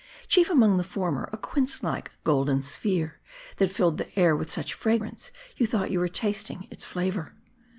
Chief among the former, a quince like, golden sphere, that filled the air with such fra grance, you thbught you were tasting its flavor.